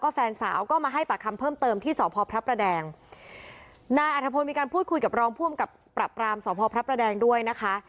ก็แฟนสาวก็มาให้ปัดคำเพิ่มเติมที่สพพรแดงนาอาทธพลมีการพูดคุยกับรองพ่วงกับปรับปรามสพพพรแดงด้วยนะคะ